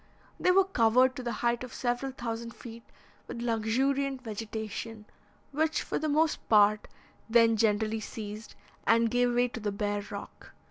They were covered, to the height of several thousand feet, with luxuriant vegetation, which, for the most part, then generally ceased, and gave way to the bare rock.